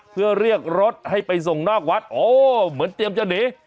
เพื่อเรียกรถให้ไปส่งนอกวัดโอ้เหมือนเตรียมจะหนี